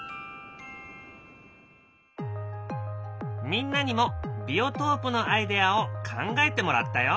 みんなにもビオトープのアイデアを考えてもらったよ。